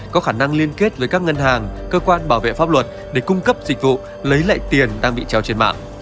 có khả năng liên kết với các ngân hàng cơ quan bảo vệ pháp luật để cung cấp dịch vụ lấy lại tiền đang bị treo trên mạng